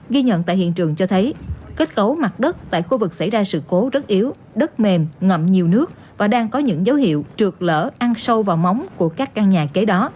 ghi nhận tại hiện trường cho thấy kết cấu mặt đất tại khu vực xảy ra sự cố rất yếu đất mềm ngậm nhiều nước và đang có những dấu hiệu trượt lở ăn sâu vào móng của các căn nhà kế đó